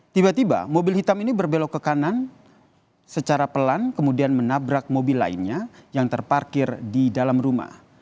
tiba tiba mobil hitam ini berbelok ke kanan secara pelan kemudian menabrak mobil lainnya yang terparkir di dalam rumah